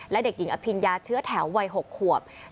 และเด็กหญิงอภิญญาเชื้อแถววัย๖ขวบ